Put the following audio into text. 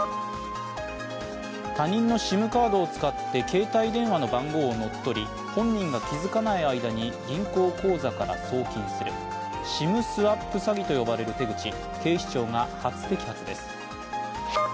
他人のＳＩＭカードを使って携帯電話の番号を乗っ取り本人が気づかない間に銀行口座から送金する、ＳＩＭスワップ詐欺と呼ばれる手口、警視庁が初摘発です。